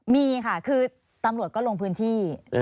มีค่ะคือตำรวจก็ลงพื้นที่